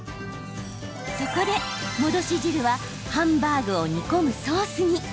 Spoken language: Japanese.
そこで、戻し汁はハンバーグを煮込むソースに。